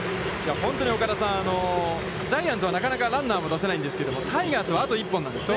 本当に岡田さん、ジャイアンツはなかなかランナーも出せないんですけれども、タイガースは、あと１本なんですね。